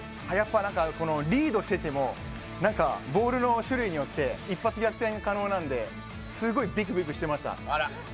リードしててもボールの種類によって一発逆転可能なのですごくビグビクしていました。